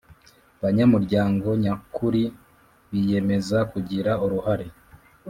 banyamuryago nyakuri Biyemeza kugira uruhare